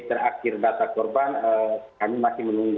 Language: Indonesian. terima kasih pak